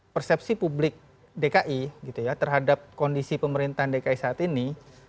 persepsi publik dki terhadap kondisi pemerintahan dki saat ini